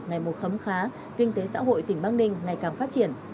ngày một khấm khá kinh tế xã hội tỉnh bắc ninh ngày càng phát triển